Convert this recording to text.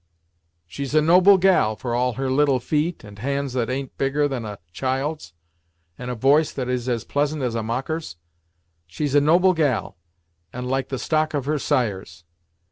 "She's a noble gal, for all her little feet, and hands that an't bigger than a child's, and a voice that is as pleasant as a mocker's; she's a noble gal, and like the stock of her sires!